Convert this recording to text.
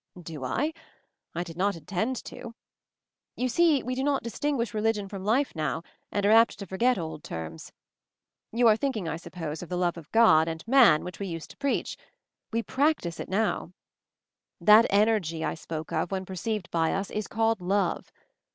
"Do I ? I did not intend to. You see, we do not distinguish religion from life now, and are apt to forget old terms. You are thinking, I suppose, of the love of God, and man, which we used to preach. We prac tice it now. 248 MOVING THE MOUNTAIN "That Energy I spoke of, when perceived by us, is called Love.